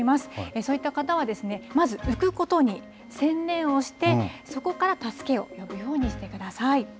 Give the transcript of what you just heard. そういった方はですねまず浮くことに専念をしてそこから助けを呼ぶようにしてください。